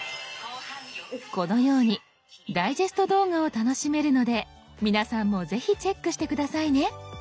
このようにダイジェスト動画を楽しめるので皆さんもぜひチェックして下さいね。